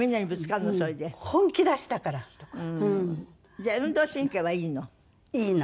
じゃあ運動神経はいいの？いいの。